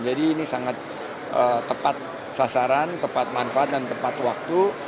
jadi ini sangat tepat sasaran tepat manfaat dan tepat waktu